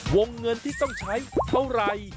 วงเงินที่ต้องใช้เท่าไหร่